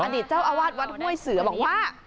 ดีตเจ้าอาวาสวัดห้วยเสือบอกว่า